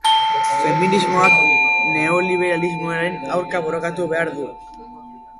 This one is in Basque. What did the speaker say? Feminismoak neoliberalismoaren aurka borrokatu behar du.